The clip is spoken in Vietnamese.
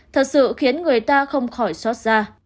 thật sự khiến người ta không khỏi xót ra